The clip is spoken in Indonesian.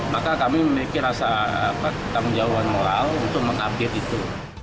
maka kami memiliki rasa ketamjauan moral untuk mengupdate itu